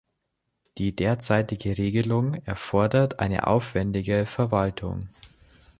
Die derzeitige Regelung erfordert eine aufwendige Verwaltung.